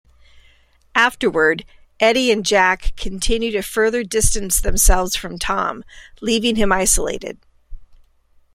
Afterward, Edie and Jack continue to further distance themselves from Tom, leaving him isolated.